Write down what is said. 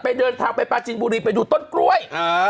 เดินทางไปปาจินบุรีไปดูต้นกล้วย